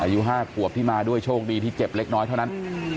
อายุ๕ขวบที่มาด้วยโชคดีที่เจ็บเล็กน้อยเท่านั้น